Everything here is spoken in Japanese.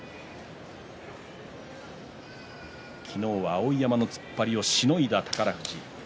昨日は碧山の突っ張りをしのいだ宝富士。